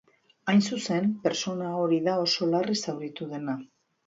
Hain zuzen, pertsona hori da oso larri zauritu dena.